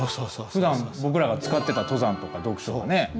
ふだん僕らが使ってた「登山」とか「読書」がね。